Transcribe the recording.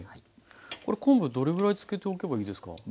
これ昆布どれぐらいつけておけばいいですか？